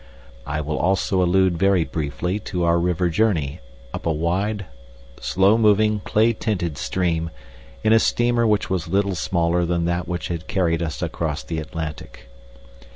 I will also allude very briefly to our river journey, up a wide, slow moving, clay tinted stream, in a steamer which was little smaller than that which had carried us across the Atlantic.